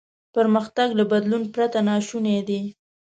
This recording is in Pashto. پرمختګ له بدلون پرته ناشونی دی.